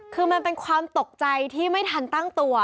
คือมันเป็นความตกใจที่ไม่ทันตั้งตัว